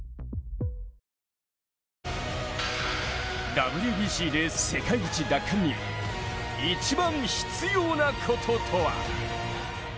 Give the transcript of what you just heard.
ＷＢＣで世界一奪還に一番必要なこととは。